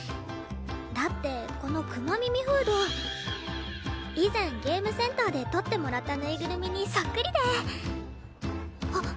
だってこのクマ耳フード以前ゲームセンターで取ってもらったぬいぐるみにそっくりではっ！